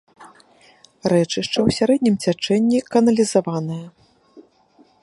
Рэчышча ў сярэднім цячэнні каналізаванае.